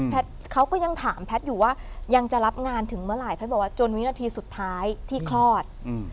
เขาก็ยังถามแพทย์อยู่ว่ายังจะรับงานถึงเมื่อไหร่แพทย์บอกว่าจนวินาทีสุดท้ายที่คลอด